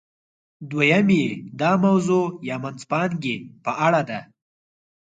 دویم یې د موضوع یا منځپانګې په اړه ده.